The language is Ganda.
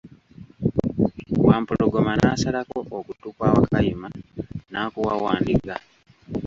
Wampologoma nasalako okuttu kwa Wakayima n'akuwa wandiga.